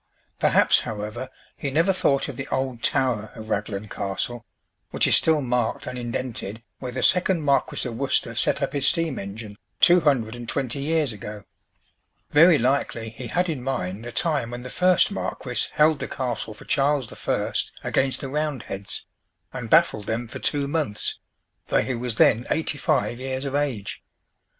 Perhaps, however, he never thought of the old tower of Raglan Castle, which is still marked and indented where the second Marquis of Worcester set up his steam engine two hundred and twenty years ago. Very likely he had in mind the time when the first marquis held the castle for Charles I. against the Roundheads, and baffled them for two months, though he was then eighty five years of age.